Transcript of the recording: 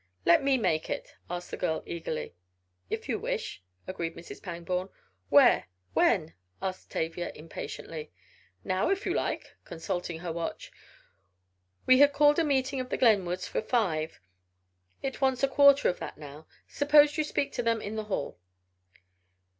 "Let me make it?" asked the girl eagerly. "If you wish," agreed Mrs. Pangborn. "Where? When?" asked Tavia impatiently. "Now, if you like," consulting her watch. "We had called a meeting of the Glenwoods for five, it wants a quarter of that now. Suppose you speak to them in the hall?"